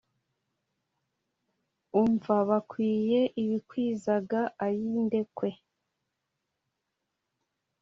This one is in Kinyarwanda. umva bakwiye bikwizaga ayi ndekwe,